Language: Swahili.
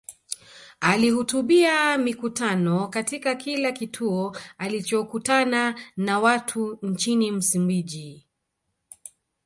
Alihutubia mikutano katika kila kituo alichokutana na watu nchini Msumbiji